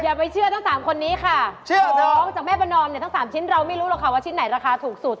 อย่าไปเชื่อทั้ง๓คนนี้ค่ะเพราะว่าพร้อมจากแม่ประนอมเนี่ยทั้ง๓ชิ้นเราไม่รู้แล้วค่ะว่าชิ้นไหนราคาถูกสุด